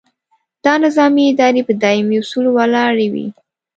دا نظامي ادارې په دایمي اصولو ولاړې وي.